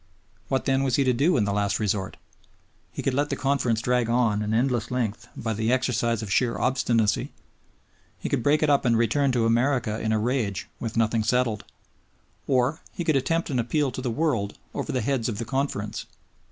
What then was he to do in the last resort? He could let the Conference drag on an endless length by the exercise of sheer obstinacy. He could break it up and return to America in a rage with nothing settled. Or he could attempt an appeal to the world over the heads of the Conference.